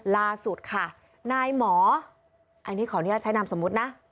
ล่าสุดค่ะนายหมออันนี้ขออนุญาตใช้นามสมมุตินะ